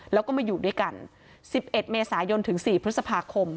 แล้วก็มาอยู่ด้วยกัน๑๑เมษายนถึง๔พฤษภาคม